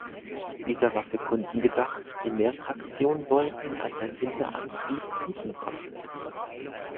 Dieser war für Kunden gedacht, die mehr Traktion wollten, als ein Hinterradantrieb bieten konnte.